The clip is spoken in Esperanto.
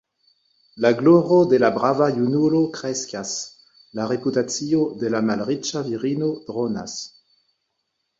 La gloro de la brava junulo kreskas; la reputacio de la malriĉa virino dronas.